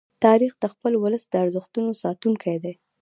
تاریخ د خپل ولس د ارزښتونو ساتونکی دی.